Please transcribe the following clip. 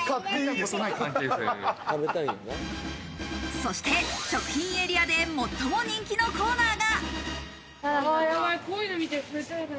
そして食品エリアで最も人気のコーナーが。